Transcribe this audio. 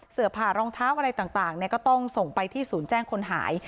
เสื้อผ่ารองเท้าอะไรต่างต่างเนี่ยก็ต้องส่งไปที่ศูนย์แจ้งคนหาย